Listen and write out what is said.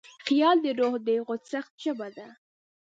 خیال د روح د خوځښت ژبه ده.